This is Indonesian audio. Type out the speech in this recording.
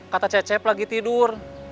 kata cecep lagi tidur